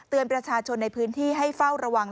ประชาชนในพื้นที่ให้เฝ้าระวัง